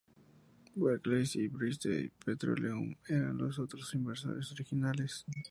Barclays y British Petroleum eran los otros inversores originales.